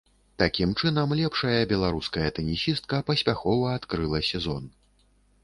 Такім чынам лепшая беларуская тэнісістка паспяхова адкрыла сезон.